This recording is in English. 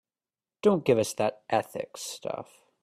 Don't give us that ethics stuff.